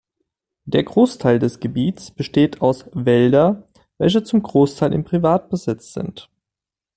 Der Großteil des Gebiets besteht aus Wälder, welche zum Großteil im Privatbesitz sind.